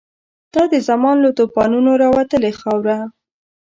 دا د زمان له توپانونو راوتلې خاوره